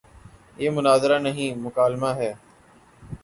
یہ مناظرہ نہیں، مکالمہ ہے۔